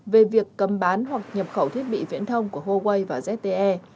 về việc cầm bán hoặc nhập khẩu thiết bị viễn thông của huawei và zte